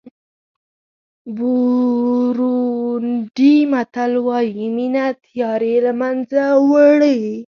بورونډي متل وایي مینه تیارې له منځه وړي.